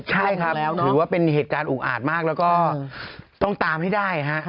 ใช่ครับถือว่าเป็นเหตุการณ์อุกอาจมากแล้วก็ต้องตามให้ได้ฮะ